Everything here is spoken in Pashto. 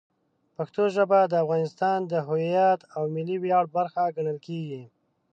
پښتو ژبه د افغانستان د هویت او ملي ویاړ برخه ګڼل کېږي.